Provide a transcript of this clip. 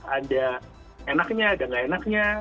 ada enaknya ada gak enaknya